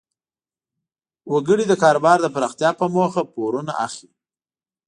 وګړي د کاروبار د پراختیا په موخه پورونه اخلي.